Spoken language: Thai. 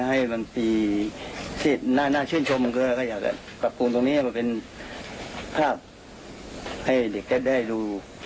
ให้บางปีที่หน้าชื่นชมเขาก็อยากกระปรุงตรงนี้เป็นภาพให้เด็กแท็บได้ดู